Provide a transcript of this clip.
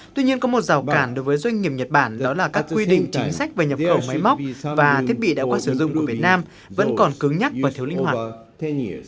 tuy nhiên có một rào cản đối với doanh nghiệp nhật bản đó là các quy định chính sách về nhập khẩu máy móc và thiết bị đã qua sử dụng của việt nam vẫn còn cứng nhắc và thiếu linh hoạt